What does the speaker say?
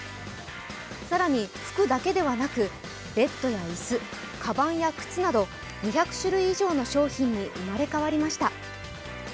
更に服だけではなく、ベッドや椅子かばんや靴など２００種類以上の商品に生まれ変わりました。